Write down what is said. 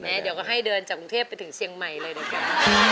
เดี๋ยวก็ให้เดินจากกรุงเทพไปถึงเชียงใหม่เลยดีกว่า